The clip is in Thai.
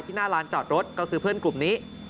หน้าลานจอดรถก็คือเพื่อนกลุ่มนี้